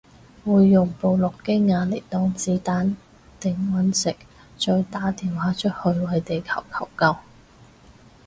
會用部諾基亞嚟擋子彈頂隕石再打電話出去為地球求救